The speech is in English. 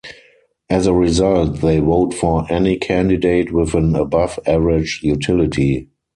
As a result, they vote for any candidate with an above-average utility.